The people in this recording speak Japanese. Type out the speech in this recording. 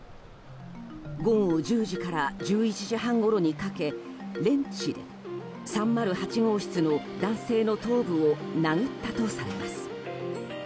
午後１０時から１１時半ごろにかけレンチで３０８号室の男性の頭部を殴ったとされています。